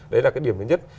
đấy là cái điểm thứ nhất